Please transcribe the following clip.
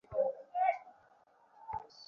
অল্প আহার গ্রহণ কর ও অল্প পরিশ্রম কর।